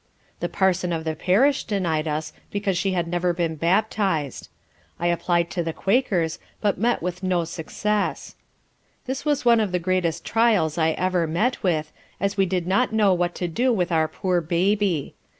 The Parson of the parish denied us because she had never been baptized. I applied to the Quakers, but met with no success; this was one of the greatest trials I ever met with, as we did not know what to do with our poor baby.